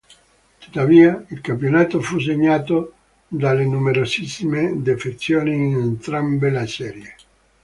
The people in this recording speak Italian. Tuttavia il campionato fu segnato dalle numerosissime defezioni in entrambe le serie.